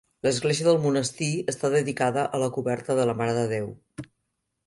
L'església del monestir està dedicada a la coberta de la Mare de Déu.